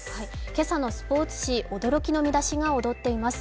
今朝のスポーツ紙、驚きの見出しが躍っています。